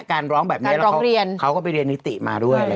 การร้องแบบนี้แล้วเขาก็ไปเรียนนิติมาด้วย